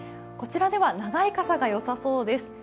こちらでは長い傘がよさそうです。